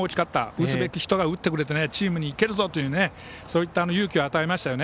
打つべき人が打ってチームにいけるぞというそういった勇気を与えましたよね。